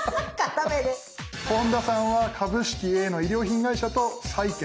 本田さんは株式Ａの衣料品会社と債券。